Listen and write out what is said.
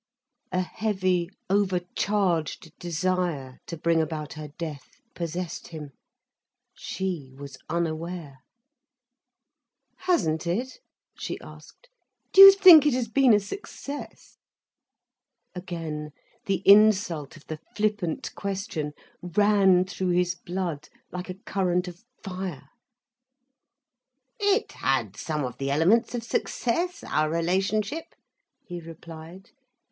A heavy, overcharged desire to bring about her death possessed him. She was unaware. "Hasn't it?" she asked. "Do you think it has been a success?" Again the insult of the flippant question ran through his blood like a current of fire. "It had some of the elements of success, our relationship," he replied.